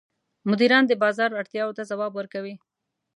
مدیران د بازار اړتیاوو ته ځواب ورکوي.